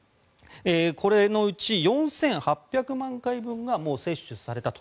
これのうち、４８００万回分がもう接種されたと。